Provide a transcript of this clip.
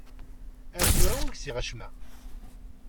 Ar tura ur gziɣ acemma.